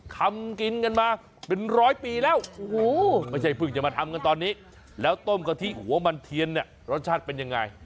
ทำกินกันมาเป็นร้อยปีแล้วไม่ใช่เพิ่งจะมาทำกันตอนนี้แล้วต้มกะทิหัวมันเทียนเนี่ยรสชาติเป็นยังไง